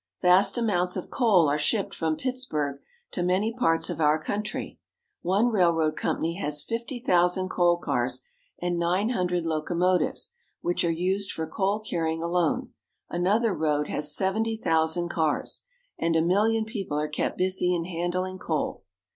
> ^Vast amounts of coal are shipped from Pittsburg to many parts of our country. One railroad company has fifty thousand coal cars, and nine hundred locomotives which are used for coal carrying alone; another road has seventy thousand cars ; and a million people are kept busy in handUng coal.